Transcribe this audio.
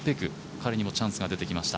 彼にもチャンスが出てきました。